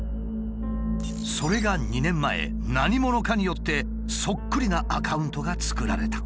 それが２年前何者かによってそっくりなアカウントが作られた。